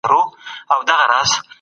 د ناروغۍ نښې په هر انسان کې توپیر لري.